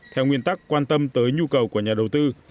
theo nguyên tắc quan tâm tới nhu cầu của nhà đầu tư